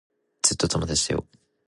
ずっと友達だよ。